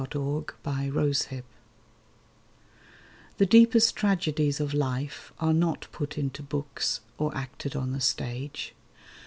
THE SILENT TRAGEDY THE deepest tragedies of life are not Put into books, or acted on the stage.